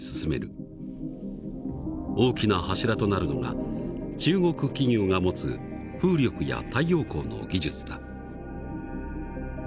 大きな柱となるのが中国企業が持つ風力や太陽光の技術だ。